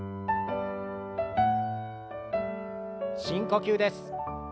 深呼吸です。